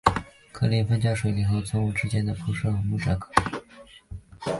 客家风水林与村屋群之间铺设木栈道。